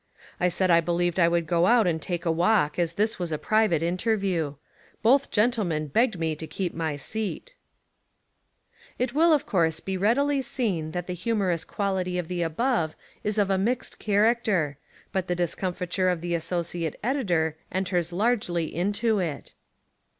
I said I believed I would go out and take a walk as this was a private interview. Both gen tlemen begged me to keep my seat. 109 Essays and Literary Studies It will of course be readily seen that the humorous quality of the above is of a mixed character, but the discomfiture of the associate editor enters largely into it.